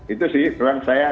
itu sih ruang saya